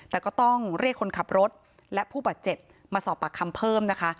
แต่ก็ต้องเรียกคนขับรถและผู้บาดเจ็บมาสอบปากคำเพิ่มนะคะ